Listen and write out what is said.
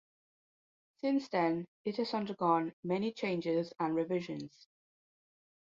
Since then, it has undergone many changes and revisions.